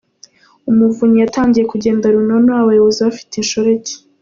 Umuvunyi yatangiye kugenda runono abayobozi bafite inshoreke